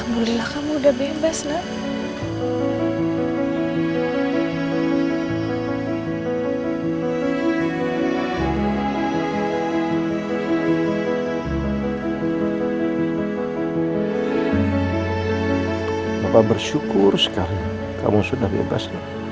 bapak bersyukur sekarang kamu sudah bebas